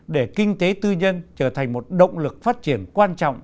để kinh tế tư nhân trở thành một động lực phát triển quan trọng